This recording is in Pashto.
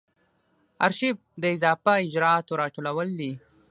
آرشیف د اضافه اجرااتو راټولول دي.